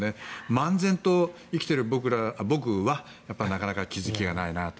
漫然と生きている僕はやっぱり気づきがないなと。